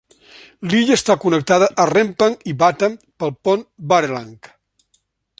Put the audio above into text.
L'illa està connectada a Rempang i Batam pel pont Barelang.